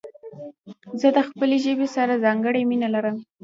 زه د خپلي ژبي سره ځانګړي مينه لرم.